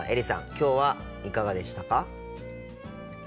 今日はいかがでしたか？